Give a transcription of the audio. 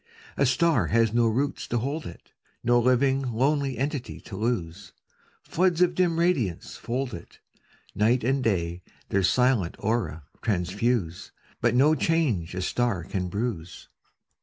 A star has do roots to hold it, No living lonely entity to lose. Floods of dim radiance fold it ; Night and day their silent aura transfuse, But no change a star oan bruise.